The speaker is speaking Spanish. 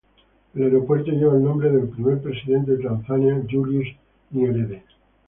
El aeropuerto lleva el nombre del primer presidente de Tanzania, Julius Nyerere.